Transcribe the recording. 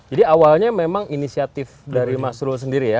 jadi awalnya memang inisiatif dari mas dulu sendiri ya